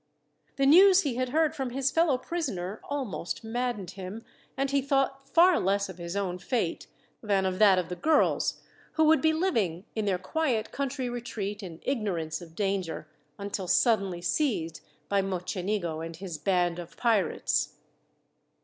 The news he had heard from his fellow prisoner almost maddened him, and he thought far less of his own fate, than of that of the girls, who would be living in their quiet country retreat in ignorance of danger, until suddenly seized by Mocenigo and his band of pirates.